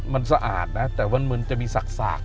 มันสะอาดนะแต่ว่ามันจะมีสาก